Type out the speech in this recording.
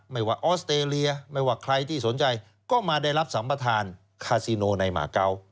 ไม่ว่าออสเตรเลียไม่ว่าใครที่สนใจก็มาได้รับสัมประธานคาซิโนในมาเกา